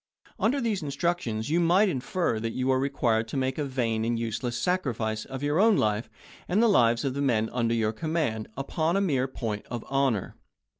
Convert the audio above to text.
Under these instructions you might infer that you are required to make a vain and useless sacrifice of your own life, and the lives of the men under your command, upon a mere point of honor.